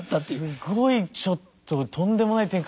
すごいちょっととんでもない展開